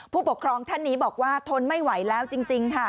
ผู้ปกครองท่านนี้บอกว่าทนไม่ไหวแล้วจริงค่ะ